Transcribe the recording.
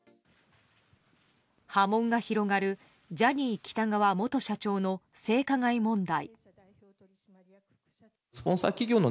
波紋が広がるジャニー喜多川元社長の性加害問題。